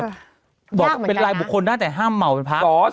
ยากเหมือนกันนะบอกเป็นรายบุคคลได้แต่ห้ามเหมาเป็นภักดิ์